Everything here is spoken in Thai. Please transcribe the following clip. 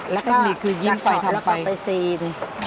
แล้วก็จักรถังแล้วก็ไปซีน